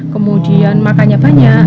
kemudian makannya banyak